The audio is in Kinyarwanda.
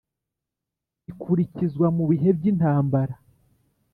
Bikurikizwa mu bihe by intambara